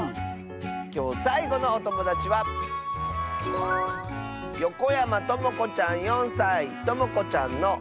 きょうさいごのおともだちはともこちゃんの。